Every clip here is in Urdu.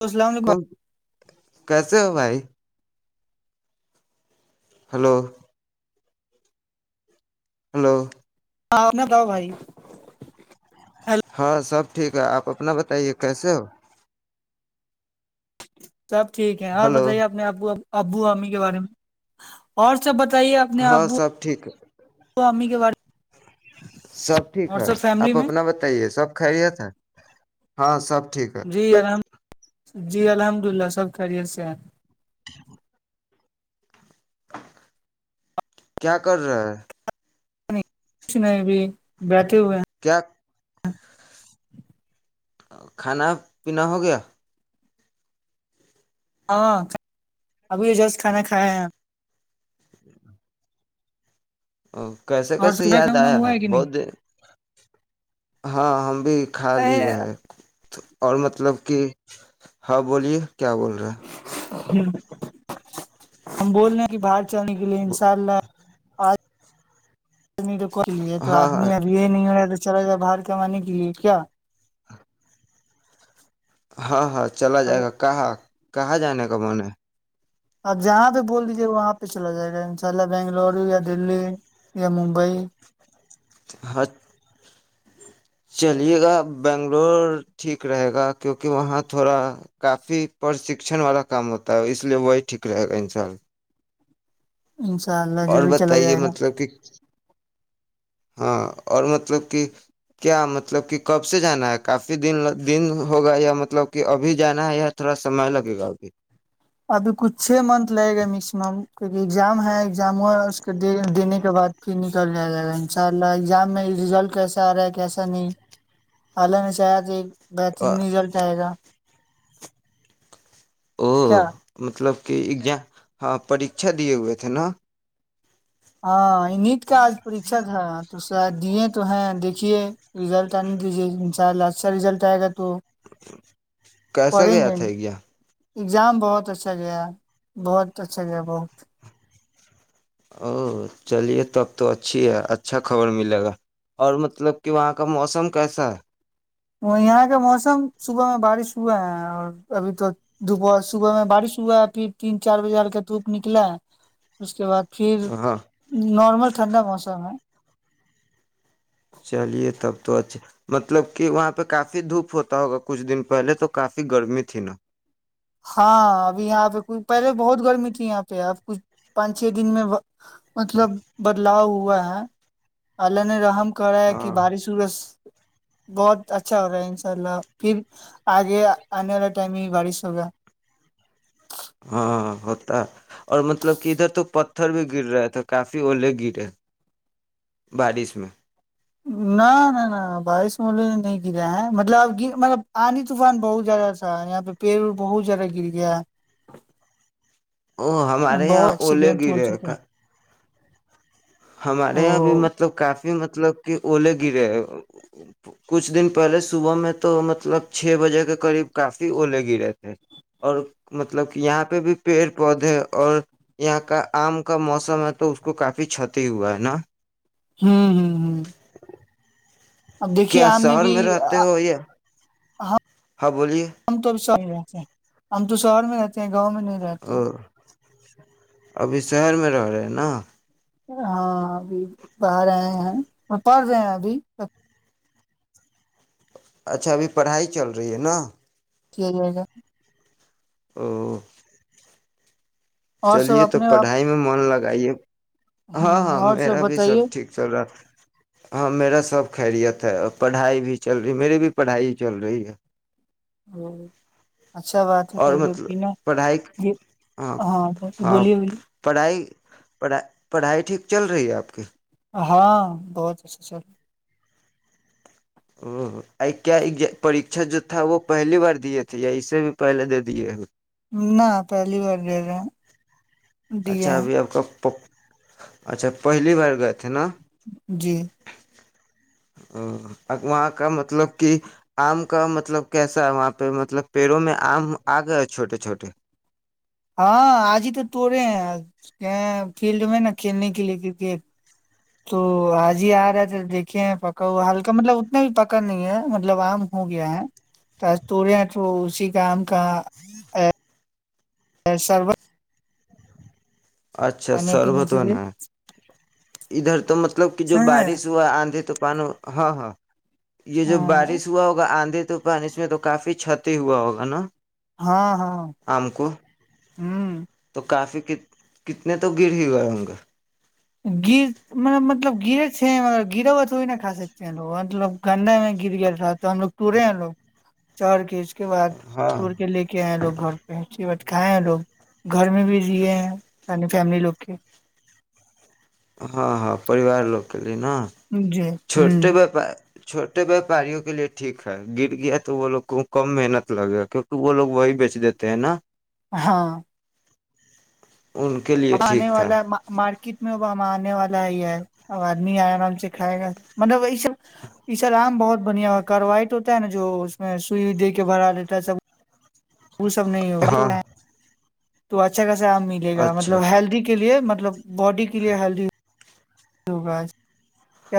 ل السلام علیکم کیس ہو بھائی ہلو ہلو ہاں میں دؤ بھائی ہیلو ہاں سب ٹھیک ہے آپ اپنا بتائیے کیسے ہو ج [unintelligible] سب ٹھیک ہے اور ہلو بتائیے اپنے آپ کو ا ابو اامی کے بارے میں اور سب بتا صحیح اپنے ہاں ابو سب ٹھیک ہے اوام [inaudible] سب ٹھیک ہے آپ اپنا بتائیے سب کھا رہیا تھا [unintelligible] ہاں سب ٹھیک ہے جی الرحم جی الحمد للہ سب خیریت سے ہیں ج کیا کر رہا ہے کچھ نہیں بھی بی کی ہوئے کیا [unintelligible] کھانا پینا ہو گیا ہاں ابھی ا جس کھانا کھاائے ہے ج [inaudible] ا کیسے اور کیسے صبح یاد کھانا آیا ہوا ہے کہ نہیں بہت دیر ہاں ہم بھی خالی اے، ہے اور مطلب کہ ہاں بولیے کیا بول رہا ہے ہ ہم بول رہے ہیں کہ باہر اچا ن کے لیے انشاء اللہ آ [inaudible] یہ تو ہاں ہاں آدمی ابھی یہ نہیں ہو رہا ہے چلا گائے باہر کمانے کے لیے کیا ہاں ہاں چلا جائے گا کہاں کہاں جانے کا م ہے آپ جہاں پہ بول دیجے وہاں پہ چلا جائے گا ان شاء اللہ بنگلورو یا دلی یا ممبئی حق چلیے گا بنگلور ٹھیک رہے گا کیونکہ وہاں تھوڑا کافی پرشکشن والا کام ہوتا ہے اس لیے وہی ٹھیک رہے گا ان شاء اللہ انشاء اللہ اور ضرور چلا بتائیے جائے گا مطلب کہ ہاں اور مطلب کہ کیا مطلب کہ کب سے جانا ہے کافی دن دن ہوگا یا مطلب کہ ابھی جانا ہے یا تھوڑا سمئے لگے گا ابھی ابھی کچھ چھ منتھ لگے گا میکسیمم کیونکہ اگزام ہے گ جاما اس کے دینے کے بعد پھر لیا جائے گا ان شاء اللہ ایگزام میں رزلٹ کیسا آ رہا ہے کیسا نہیں حال نے چاہا تھ گتری میں جل جائے گا ا کیا مطلب کہ ایزام ہاں پرریھا دیے ہوئے تھے ن ہاں نیٹ کا آج پریچا تھا تو تو دیے تو ہیں دیکھیے رزلٹ آنے دیجیے ان شاء اللہ اچھا رزلٹ آئے گا تو کیسا پڑھیں گیا گے تھا گیا اگزام بہت اچھا گیا بہت اچھا گیا بہت او چلیے تب تو اچھی ہے اچھا خبر ملے گا اور مطلب کہ وہاں کا موسم کیسا ہے وہ یہاں کا موسم صبح میں بارش ہوا ہے اور ابھی تو دوپہر صبح میں بارش ہوا ہے پھر تین چار بجے ہک دھوپ نکلا ہے اس کے بعد پھر ہے ہاں نارمل ٹھنڈا موسم ہے چلیے تب تو اچھا مطلب کہ وہاں پہ کافی دھوپ ہوتا ہوگا کچھ دن پہلے تو کافی گرمی تھی نا ہاں ابھی یہاں پہ پہلے بہت گرمی تھی یہاں پہ اب کچھ پانچ چھ دن میں مطلب بدلاؤ ہوا ہے اللہان رحم کرا ہے کہ ہاں بارش وورس بہت اچھا ہو رہا ہے انشاء اللہ پھر آگے آنے والا ٹائم میں بارش ہوگیا ہاں ہوتا اور مطلب کہ ادھر تو پتھر بھی گر رہے تھے کافی الے گرے بارش میں نہ نہ نہ بارش والے نے نہیں گرا ہے مطلب اب مطلب آنی طوفان بہت زیادہ تھا یہاں پہ پیڑ وڑ بہت زیادہ گر گیا ہے او ہمارے یہاں بہت اولہے ایکسیڈینٹ ہو گرے چکا کا ہے ہمارے او یہاں بھی مطلب کافی کافی مطلب کہ اولے گرے ہے کچھ دن پہلے صبح میں تو مطلب چھ بجے کے قریب کافی اولے گرے تھے اور مطلب کہ یہاں پہ بھی پیڑ پودے اور یہاں کا آم کا موسم ہے تو اس کو کافی چھت ہی ہوا ہے نا ہوں ہوں ہوں اب دیکھیے کیا آ میں شہر بھی رہتے ہو یہ ہاں بولیے تو ش میں رہتے ہیں ہم تو شہر میں رہتے ہیں گاؤں میں نہیں رہتے او ابھی شہر میں رہ رہے ہیں نا ہاں ابھی آ رہے ہیں اور پڑھ رہے ہیں ابھیب اچھا ابھی پڑھائی چل رہی ہے نا ٹھیک رہے گا ہ اور سب چلیے تو اپنے آپ پڑھائی میں من لگا لائیے ہ ہاں ہاں اور میرا بھی سب بتائیے ٹھیک چل رہا تھا ہاں میرا سب خیریت ہے پڑھائی بھی چل رہی میری بھی پڑھائی چل رہی ہے ہ اچھا بات ہے اور کیا مطلب کہ نا پڑھائی یہ ہاں ہاں بولیے بلیے پڑھائی پڑھائی پڑھائی ٹھیک چل رہی ہے آپ کی ہاں بہت اچھا چل رہ کیا پریھا جو تھا وہ پہلی بار دیے تھے یا اسے بھی پہلے دے دیے ہو نہ پہلی بار د اچھا ابھی آپ کا پ اچھا پہلی بار گئے تھے نا جی ا اب وہاں کا مطلب کہ آم کا مطلب کیسا ہے وہاں پہ مطلب پیڑوں میں آم آ گیا چھوٹے چھوٹے ہاں آج ہی تو توڑے ہیں فیلڈ میں نا کھیلنے کے لیے کرکٹ تو آج ہی آ رہا ہے تھا دیکھے ہیں پکا ہوا ہلکا مطلب اتنا بھی پکا نہیں ہے مطلب آم ہو گیا ہے تو آج توڑے ہیں تو اسی کا آم کا ایک سرو اچھا پینے سربت کے لیے بنا ہے ادھر تو مطلب کہ جو سمجھ رہے ہیں بارش ہوا آندھے تو پانی ہاں ہاں یہ جو بارش ہوا ہوگا آندھے تو پان اس میں تو کافی کتی ہوا ہوگا نا ہاں ہاں آم کو ہوں کہ کتنے تو گر ہی گئے ہ گ گر م مطلب گرے م گرا ہوا تھوڑی نہا کا سکتے ہیں لوگ مطلب گندا میں گر گئےات تو ہم لوگ ٹورے ہیں لوگ چار کس کے بعد ہاں ور کے لے کے آئے لوگ گھر پہنچی بٹ کائے ہیں لوگ گھر میں بھی رے ہیں پانی فیملی لوگ کے ہاں ہاں پریوار لوک نا جی چھوٹے ہ وپار چھوٹے ویاپاریوں کے لیے ٹھیک ہے گر گیا تو وہ لوگ کو کم محنت لگے کیونکہ وہ لوگ وہی بیچ دیتے ہیں نا ہاں ان کے لیے آنے ٹھیک تھا والاک کت میں ہوا آنے والا ہے اب آدمی آرام سے کھائے گا مطلب یہ سب یہ سب آام بہت بڑھیا ہو کروائٹ ہوتا ہے نا جو اس میں سوئیوئی دے کے بھرا دیتا ہے سب وہ سب نہیں ہاں ہوی تو اچھاس آام ملےا اچھا مطلب ہیلدی کے لیے مطلب مطلب باڈی کے لیے ہیلدی لگج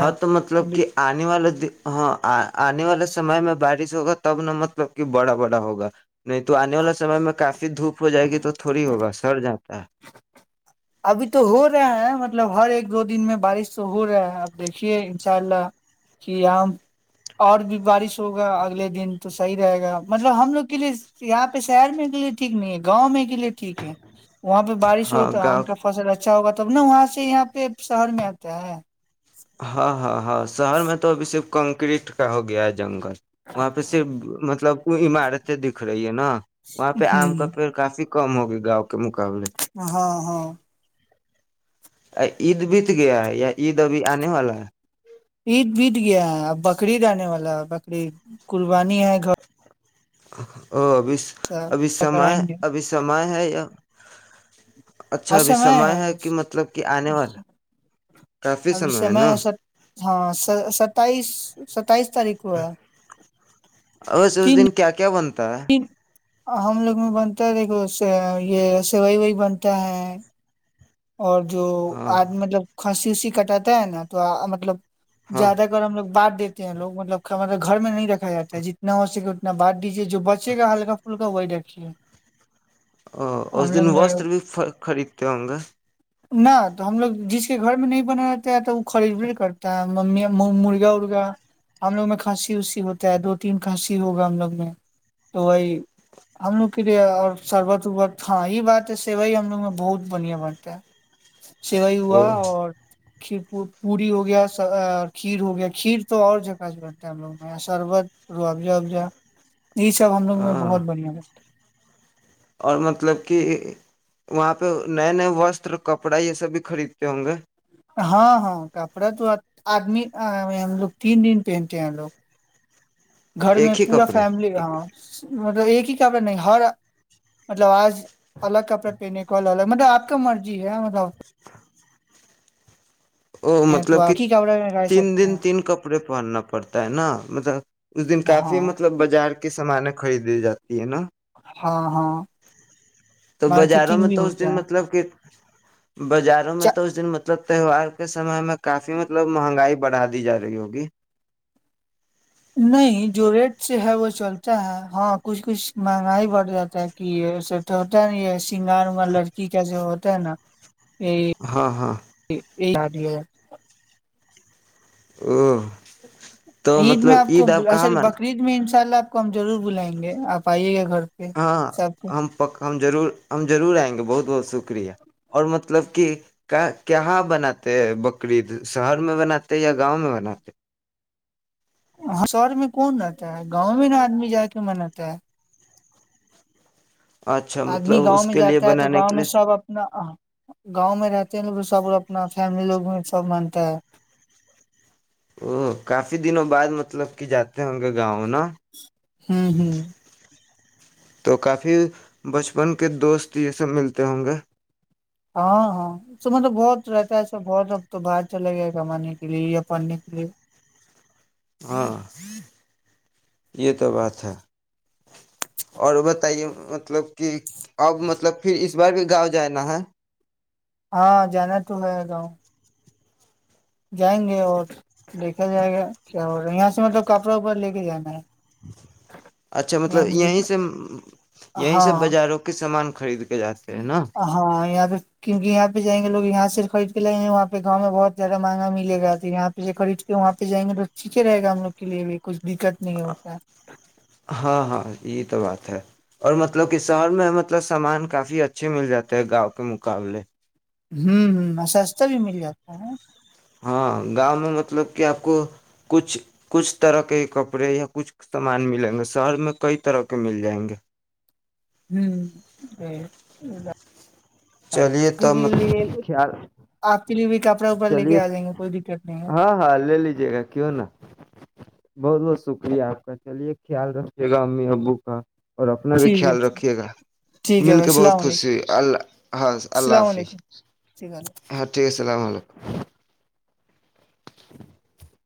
ہ تو مطلب کہ آنے والا د ہاں آنے والے سمے میں بارش ہوگا تب نہ مطلب کہ بڑا بڑا ہوگا نہیں تو آنے والے سمے میں کافی دھوپ ہو جائے گی تو تھوڑی ہوگا سر جاتا ہے ابھی تو ہو رہا ہے مطلب ہر ایک دو دن میں بارش تو ہو رہا ہے اب دیکھیے انشاء اللہ کہ یہاں اور بھی بارش ہوگا اگلے دن تو صحیح رہے گا مطلب ہم لوگ کے لیے یہاں پہ شہر میں کے لیے ٹھیک نہیں ہے گاؤں میں کے لیے ٹھیک ہے وہاں پہ بارش ہو ہاں توم گاؤں اچھا ہوگا تب نہ وہاں سے یہاں پہ شہر میں آتا ہے ہاں ہاں ہاں شہر میں تو ابھی صر کنکریٹ کا ہو گیا جنگل وہاں پہ صرف مطلب عمارتیں دکھ رہی ہے نا وہاں پہ آم کا ہ پیڑ کافی کم ہوگی گاؤ ہاں ہاں [inaudible] ا عید بھی تو گیا ہے یا عید ابھی آنے والا ہے عید بیت گیا ہے اب بکرریید آنے والا ہے بکریید قربانی ہے گھر اا ا ابھی ابھی سے سمے کرائیں گے ابھی سمے ہے اب اچھا ابھی سمئے سمے ہے کہ مطلب کہ آنے والا کافی ابھی ہے سمے نا س ہاں ستائیس [inaudible] سک اس اس تین دن کیا کیا بنتا کتا دن ہم لوگ میں بنتا ہے دیکھو یہ سوئی وائی بنتا ہے اور جو ہاں آج مطلب کھانسی وسی کٹاتا ہے نا تو مطلب ہاں زیادہ کر ہم لوگ بعد دیتے ہیں لوگ مطلب مطلب گھر میں نہیں رکھا جاتا ہے جتنا ہو سکے اتنا بعد دیجیے جو بچے گا ہلکا پھلکا وہی رکھیے ا اس ہم دن لوگ میں وستر بھی خریدتے ہوں گے نہ تو ہم لوگ جس کے گھر میں نہیں بنا رہتا ہے تو وہ خرید بھی کرتا ہے ممی مرغا ارگا ہم لوگ میں کھانسی وسی ہوتا ہے دو تین کھانسی ہوگا ہم لوگ میں تو وہی ہم لوگ کے لیے اور شربت ربت ہاں یہ بات ہے سوی ہم لوگ میں بہت بڑھیا بنتا اتاا سوئی ہوا او اور ک پ پوری ہو گیا کھیر ہو گیا کھیر تو اور جگہ سے بنتا ہے ہم لوگ میں شربت روح ابزا ابزا یہ سب ہم لوگ م ہاں بہت بڑھیا لگ ہے اور مطلب کہ وہاں پہ نئے نئے وسر کپڑا یہ سب بھی خریدتے ہوں گے ہاں ہاں کپڑا تو آدمی ہم لوگ تین دن پہنتے ہیں ہم لوگ گھر میں ایک ہی پورا کپڑے فیملی ہاں مب ایک ہی کپڑا نہیں ہر مطلب آج الگ کپڑا پہنے کو الگ مطلب آپ کا مرضی ہے مطلب ا [unintelligible] ا تو مطلب کہ آپ ہی کپڑے میں رہ تین سکتے دن ہیں تین کپڑے پہننا پڑتا ہے نا مطلب اس دن کافی ہاں مطلب بازار کے سامان خریدی جاتی ہے نا ہاں ہاں تو بازاروں مارکیٹنگ میں بھی تو اس دن ہوتا ہے مطلب کہ اچھا [inaudible] بازاروں میں تو اس دن جتے ہو آ کے سمے میں کافی مطلب مہنگائی بڑھا دی جا رہی ہوگی نہیں جو ریٹ سے ہے وہ چلتا ہے ہاں کچھ کچھ مہنگائی بڑھ جاتا ہے کہ یہ اسے تو ہوتا ہے نا یہ سنگار وگار لڑکی کیسے ہوتا ہے نا یہ ہاں ہاں یہ آ ہے ا [unintelligible] عید میں آپ کو کہاں سور من بقرعید میں ان شاءلہ آپ کو ہم ضرور بلائیں گے آئیے گا گھر پہ ہاں سب ہم پک ہم ضرور ہم ضرور آئے [unintelligible] اور مطلب کہا بناتے بکرریید شہر میں بناتے یا گاؤں میں بناتے ہاں شہر میں کون رہتا ہے گاؤں میں نا آدمی جا کے من آتا ہے اچھا آدمی مطلب گاؤں اس میں کے لیے جاتا ہے تو بنانے گاؤں کے میں لیے سب اپنا گاؤں میں رہتے ہیں لوگ سب لگ اپنا فیملیلی لوگ میں سب مانتا ہے ا کافی دنوں بعد مطلب کہ جاتے ہوں گے گاؤں نا [unintelligible] تو کافی بچپن کے دوست یہ سب ملتے ہوں گے ہاں ہاں مطلب بہت رہتا ہےسا بہت اب تو باہر چلے گیا ہے کمانے کے لیے یا پڑھنے کے لیے ہاں یہ تو بات ہے اور بتائیے مطلب کہ اب مطلب پھر اس بار بھی گاؤ جانا ہے ہاں جانا تو ہے گاؤں جائیں گے اور دیکھا جائے گا کیا یہاں سے مطلب کپڑا وپڑا لے کے جانا ہے اچھا یہاں مطلب یہیں جتنا سے یہیں سے بازاروں کے سامان کا [unintelligible] [unintelligible] کیونہ یہ پہ جائیں گے لو یہاں سےر خرید لیں گے وہاںہ گاؤں بہت زیادہ مہگ ملے گا تو یہ پہ پ خرید کے وہاں پہ جائیںے تو ٹھیکے گا ہم لوگ لیے بھی کچھ دقت نہیں [unintelligible] ہوتا ہے اور مطلب کہ شہر میں مطلب سامان کافی اچھے مل جاتے ہیں گاؤں کے مقابلے ہوں ہ سستا بھی مل جاتا ہے ہاں گاؤں میں مطلب کہ آپ کو کچھ کچھ طرح کے کپڑے یا کچھ سامان ملیں گے شہر میں کئی طرح کے مل جائیں گے [unintelligible] چلیے ت کے لیے خیال آپ کے لیے بھی کپڑا وپڑا لے چلیے کے آ جائیں گے کوئی دقت نہیں ہے ہاں ہاں لے لیجیے گا کیوں نا بہت بہت شکریہ آپ کا چلیے خیال رکھیے گا امی ابو کا اور اپنا بھی ٹھیک ہے خیال رکھیے گا ٹھیک ہے مل بھائی کے بہت السلام علیکم خوشی ہوئی السلام اللہ علیکم ٹھیک ہے [unintelligible] السلام علیکم [inaudible]